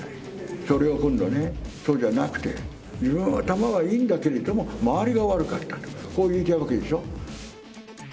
それを今度ね、そうじゃなくて、自分はタマがいいんだけども、周りが悪かったと、こう言いたいわけでしょ。